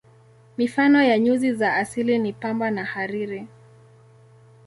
Mifano ya nyuzi za asili ni pamba na hariri.